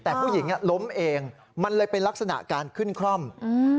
แต่ผู้หญิงอ่ะล้มเองมันเลยเป็นลักษณะการขึ้นคร่อมอืม